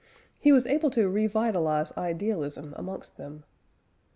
He was able to re vitalise idealism amongst them.